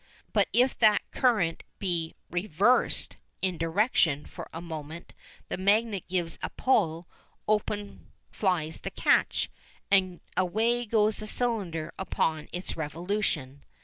But if that current be reversed in direction for a moment the magnet gives a pull, open flies the catch, and away goes the cylinder upon its revolution.